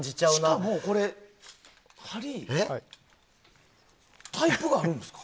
しかも、針にタイプがあるんですか。